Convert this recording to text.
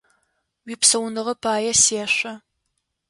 Уипсауныгъэ пае сешъо!